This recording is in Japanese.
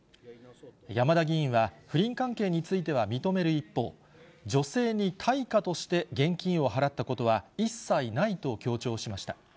山田議員は、不倫関係については認める一方、女性に対価として現金を払ったことは一切ないと強調しました。